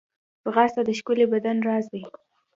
ځغاسته د ښکلي بدن راز دی